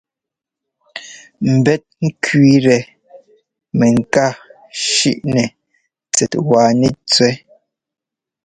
Mbɛ́t ŋ́kẅíitɛ mɛŋká shʉ́ꞌnɛ tsɛt wa nɛtsẅɛ́.